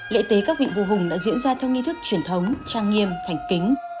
lễ tế các vị vua hùng đã diễn ra theo nghi thức truyền thống trang nghiêm thành kính